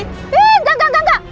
ih enggak enggak enggak